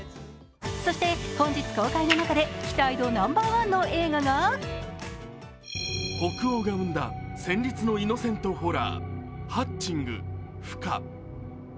そして、本日公開の中で期待度ナンバーワンの映画が北欧が生んだ旋律のイノセントホラー「ハッチング−孵化−」